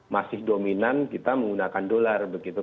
masih dominan kita menggunakan dolar begitu